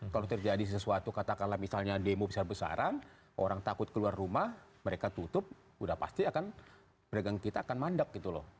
kalau terjadi sesuatu katakanlah misalnya demo besar besaran orang takut keluar rumah mereka tutup sudah pasti akan pedagang kita akan mandek gitu loh